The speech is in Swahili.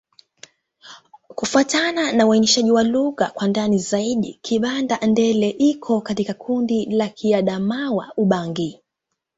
Kufuatana na uainishaji wa lugha kwa ndani zaidi, Kibanda-Ndele iko katika kundi la Kiadamawa-Ubangi.